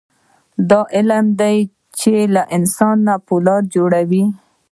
دا علم دی چې له انسان نه فولاد جوړوي.